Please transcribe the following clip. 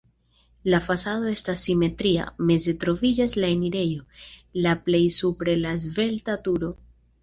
La fasado estas simetria, meze troviĝas la enirejo, la plej supre la svelta turo.